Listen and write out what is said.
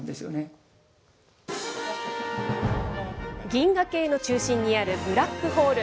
銀河系の中心にあるブラックホール。